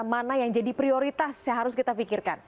mana yang jadi prioritas yang harus kita pikirkan